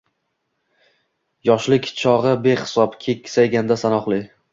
Yoshlik chog’i-behisob. Keksayganda-sanoqli.